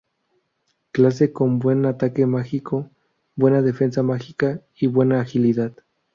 Clase con buen ataque mágico, buena defensa mágica y buena agilidad.